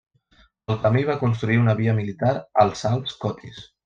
Pel camí va construir una via militar als Alps Cotis.